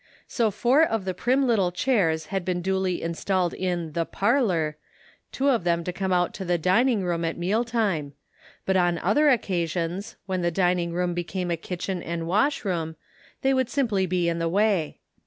So four of the prim little chairs had been duly installed in the "parlor," two of them to come out to the dining room at meal time ; but on other occasions, when the dining room became a kitchen and washroom, they would simply be in the way.